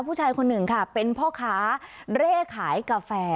ผู้ชายคนหนึ่งค่ะเป็นพ่อค้าเร่ขายกาแฟ